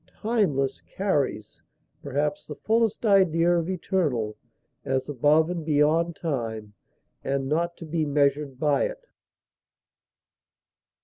Timeless carries, perhaps, the fullest idea of eternal, as above and beyond time, and not to be measured by it.